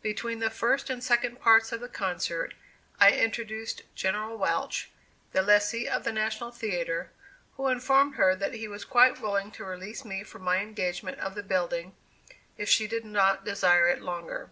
Between the first and second parts of the concert, I introduced General Welch, the lessee of the National Theatre, who informed her that he was quite willing to release me from my engagement of the building, if she did not desire it longer.